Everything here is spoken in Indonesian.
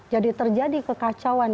jadi terjadi kekacauan